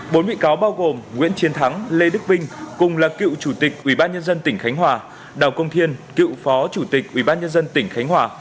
bốn bị cáo bao gồm nguyễn chiến thắng lê đức vinh cùng là cựu chủ tịch ubnd tỉnh khánh hòa đào công thiên cựu phó chủ tịch ubnd tỉnh khánh hòa